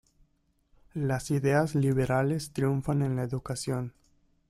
Las ideas liberales triunfan en la educación.